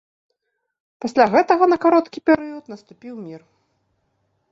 Пасля гэтага на кароткі перыяд наступіў мір.